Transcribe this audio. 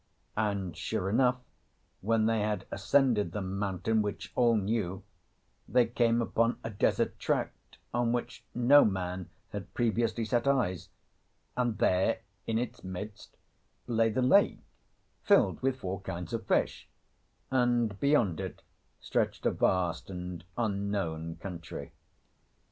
And, sure enough, when they had ascended the mountain which all knew, they came upon a desert tract on which no man had previously set eyes; and there in its midst lay the lake filled with four kinds of fish, and beyond it stretched a vast and unknown country.